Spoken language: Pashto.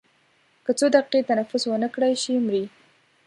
که څو دقیقې تنفس ونه کړای شي مري.